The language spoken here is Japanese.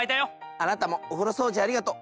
あなたもお風呂掃除ありがとう！